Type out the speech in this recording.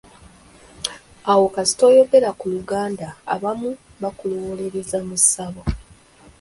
Awo kasita oyogera ku Luganda abamu bakulowooleza mu ssabo.